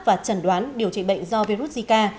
và trần đoán điều trị bệnh do virus zika